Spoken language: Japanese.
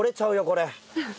これ。